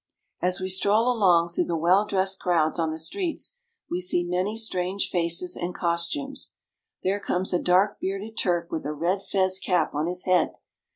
As we stroll along through the well dressed crowds on the streets we see many strange faces and costumes. There comes a dark bearded Turk with a red fez cap on his head.